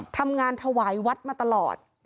ทำงานถวายวัดมาตลอด